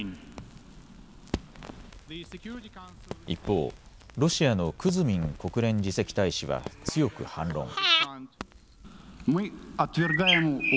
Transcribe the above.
一方、ロシアのクズミン国連次席大使は強く反論。